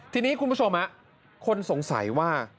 ทีนี้คุณผู้ชมคนสงสัยว่า